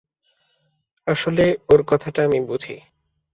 আসলে, ওর কথাটা আমি বুঝি।